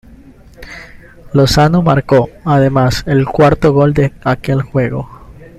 Lozano marcó, además, el cuarto gol de aquel juego.